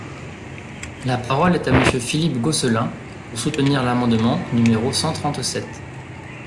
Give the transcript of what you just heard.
La parole est à Monsieur Philippe Gosselin, pour soutenir l’amendement numéro cent trente-sept.